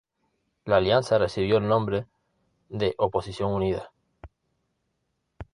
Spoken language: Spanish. La alianza recibió el nombre de Oposición Unida.